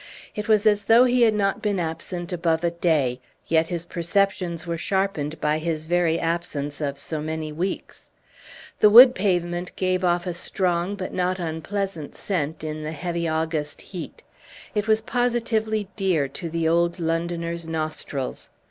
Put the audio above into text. It was as though he had not been absent above a day, yet his perceptions were sharpened by his very absence of so many weeks. The wood pavement gave off a strong but not unpleasant scent in the heavy August heat; it was positively dear to the old Londoner's nostrils.